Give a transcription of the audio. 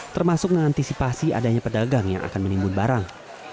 termasuk mengantisipasi adanya pedagang yang akan menimbun barang